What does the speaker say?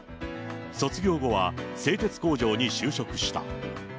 卒業後は製鉄工場に就職した。